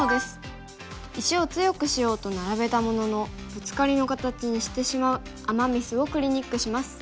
石を強くしようと並べたもののブツカリの形にしてしまうアマ・ミスをクリニックします。